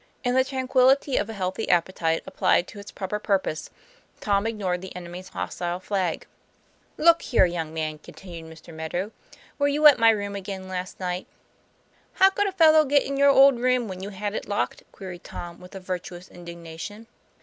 In the tranquillity of a healthy appetite applied to its proper purpose, Tom ignored the enemy's hostile flag. 14 TOM PLA YFA1R. " Look here, young man," continued Mr. Meadow, " were you at my room again last night ?"" How could a fellow get in your old room when you had it locked?" queried Tom with virtuous indignation.